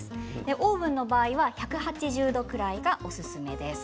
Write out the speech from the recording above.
オーブンの場合は１８０度ぐらいがおすすめです。